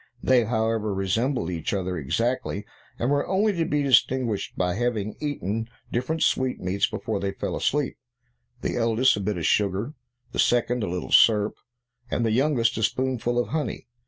They, however, resembled each other exactly, and were only to be distinguished by their having eaten different sweetmeats before they fell asleep; the eldest a bit of sugar; the second a little syrup; and the youngest a spoonful of honey.